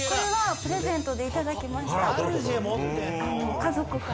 家族から。